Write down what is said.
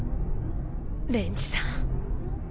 レンジさん。